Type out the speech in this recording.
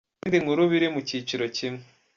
Izindi nkuru biri mu cyiciro kimwe:.